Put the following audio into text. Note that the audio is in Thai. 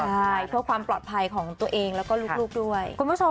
ใช่เพื่อความปลอดภัยของตัวเองแล้วก็ลูกด้วยคุณผู้ชม